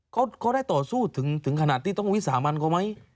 เขาได้ต่อสู้ถึงขนาดที่ต้องวิสามันเขาไหม